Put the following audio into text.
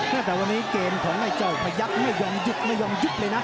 แต่วันนี้เกมของไอ้เจ้าพยักษ์ไม่ยอมหยุดไม่ยอมยุบเลยนะ